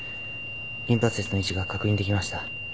リンパ節の位置が確認できました。